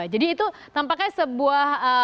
jadi itu tampaknya sebuah ya